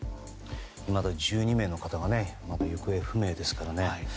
いまだ１２名の方が行方不明ですからね。